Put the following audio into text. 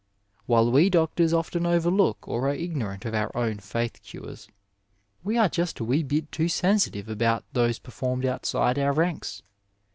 While we doctors often overlook or are ignorant of our own faith cures, we are just a wee bit too sensitive about those per formed outside our ranks.